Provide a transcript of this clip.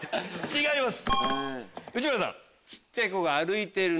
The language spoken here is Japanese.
違います。